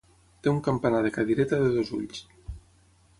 Té un campanar de cadireta de dos ulls.